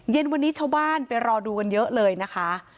เย็นวันนี้ชาวบ้านไปรอดูกันเยอะเลยนะคะ